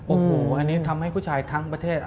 โอ้โหอันนี้ทำให้ผู้ชายทั้งประเทศ